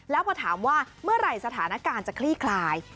แล้วพอถามว่าเมื่อไหร่สถานการณ์จะคลี่คลาย